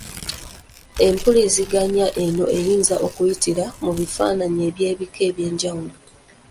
Empuiziganya eno eyinza okuyitira mu bifaananyi eby'ebika eby'enjawulo.